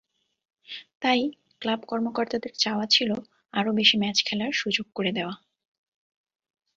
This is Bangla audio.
তাই ক্লাব কর্মকর্তাদের চাওয়া ছিল আরও বেশি ম্যাচ খেলার সুযোগ করে দেওয়া।